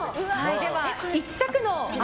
では１着のあ